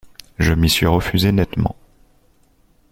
Je m'y suis refusé nettement.